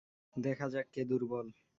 দেখা যাক কে দুর্বল।